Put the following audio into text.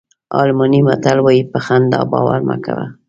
الماني متل وایي په خندا باور مه کوه.